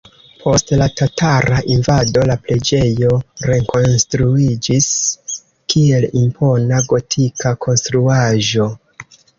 Post la tatara invado la preĝejo rekonstruiĝis, kiel impona gotika konstruaĵo.